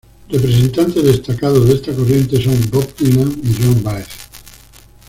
Representantes destacados de esta corriente son Bob Dylan y Joan Báez.